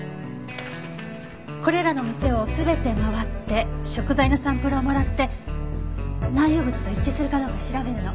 これらの店を全て回って食材のサンプルをもらって内容物と一致するかどうか調べるの。